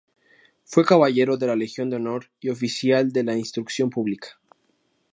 Fue Caballero de la Legión de honor y oficial de la instrucción pública.